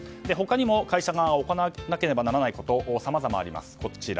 他にも会社が行わなければならないことさまざまあります。